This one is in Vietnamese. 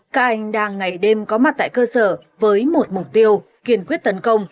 các anh đang ngày đêm có mặt tại cơ sở với một mục tiêu kiên quyết tấn công